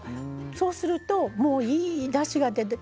そうするともう、いいだしが出て。